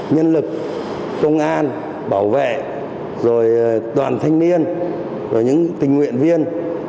nhân lực công an bảo vệ rồi toàn thanh niên rồi những tình nguyện viên